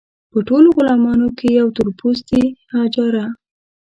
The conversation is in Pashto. په ټولو غلامانو کې یوه تور پوستې حاجره.